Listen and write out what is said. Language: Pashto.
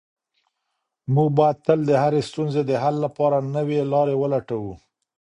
موږ باید تل د هرې ستونزې د حل لپاره نوې لاره ولټوو.